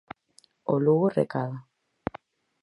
O Lugo recada.